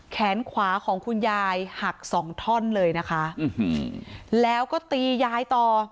แขนขวาของคุณยายหักสองท่อนเลยนะคะแล้วก็ตียายต่อ